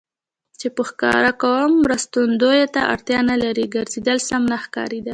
چې په ښکاره کوم مرستندویه ته اړتیا نه لري، ګرځېدل سم نه ښکارېدل.